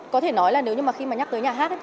có thể nói là nếu như mà khi mà nhắc tới nhà hát ấy